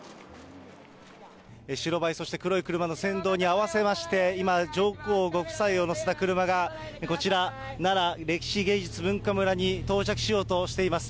白バイ、そして黒い車の先導に合わせまして、今、上皇ご夫妻を乗せた車がこちら、なら歴史芸術文化村に到着しようとしています。